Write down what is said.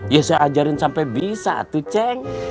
ya saya ajarin sampai bisa tuh ceng